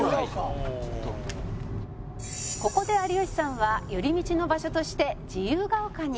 「ここで有吉さんは寄り道の場所として自由が丘に」